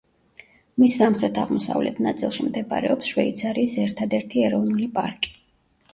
მის სამხრეთ-აღმოსავლეთ ნაწილში მდებარეობს შვეიცარიის ერთადერთი ეროვნული პარკი.